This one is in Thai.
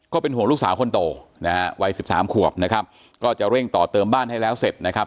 ก็เป็นห่วงลูกสาวคนโตวัย๑๓ขวบนะครับก็จะเร่งต่อเติมบ้านให้แล้วเสร็จนะครับ